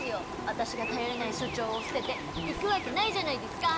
私が頼りない所長を捨てて行くわけないじゃないですか。